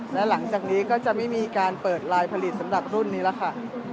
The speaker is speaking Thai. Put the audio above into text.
และหลังจากนี้ก็จะไม่มีการเปิดลายผลิตสำหรับรุ่นนี้แล้วค่ะ